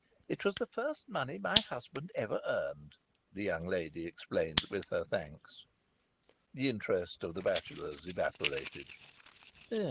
"It was the first money my husband ever earned," the young lady explained, with her thanks. The interest of the bachelors evaporated.